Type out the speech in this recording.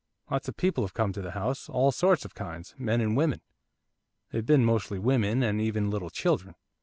Lots of people have come to the house, all sorts and kinds, men and women they've been mostly women, and even little children.